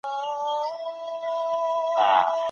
په څوکۍ د ناستې پر مهال ملا نېغه وساتئ.